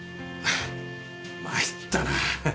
フッまいったな。